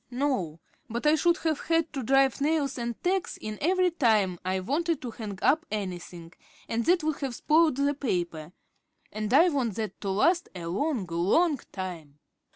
"No, but I should have had to drive nails and tacks in every time I wanted to hang up anything, and that would have spoiled the paper. And I want that to last a long, long time."